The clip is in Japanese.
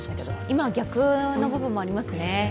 今は逆の部分がありますね。